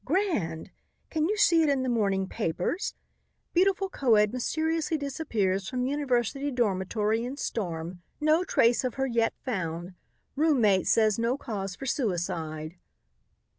Grand! Can you see it in the morning papers? 'Beautiful co ed mysteriously disappears from university dormitory in storm. No trace of her yet found. Roommate says no cause for suicide.'"